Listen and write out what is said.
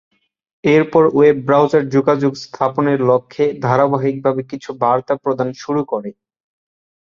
এরপর web browser যোগাযোগ স্থাপনের লক্ষ্যে ধারাবাহিকভাবে কিছু বার্তা প্রদান শুরু করে।